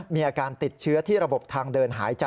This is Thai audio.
มีอาการติดเชื้อที่ระบบทางเดินหายใจ